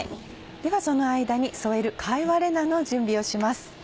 ではその間に添える貝割れ菜の準備をします。